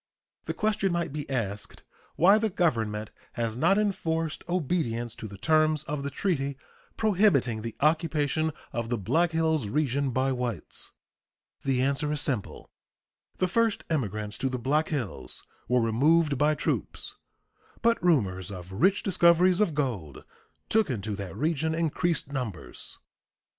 The question might be asked why the Government has not enforced obedience to the terms of the treaty prohibiting the occupation of the Black Hills region by whites. The answer is simple: The first immigrants to the Black Hills were removed by troops, but rumors of rich discoveries of gold took into that region increased numbers.